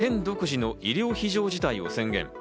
県独自の医療非常事態を宣言。